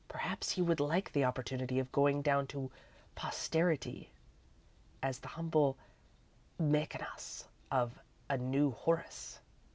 Perhaps he would like the opportunity of going down to posterity as the humble Mæcenas of a new Horace."